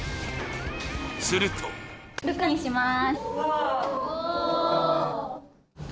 すると６番にします。